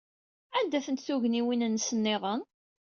Anda-tent tugniwin-nnes niḍen?